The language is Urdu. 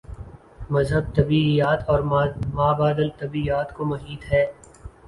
مذہب طبیعیات اور مابعدالطبیعیات کو محیط ہے۔